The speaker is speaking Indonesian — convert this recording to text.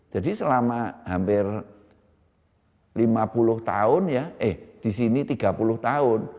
jadi selama hampir lima puluh tahun ya eh di sini tiga puluh tahun